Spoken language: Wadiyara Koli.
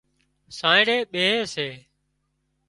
سانئڙي ٻيهي سي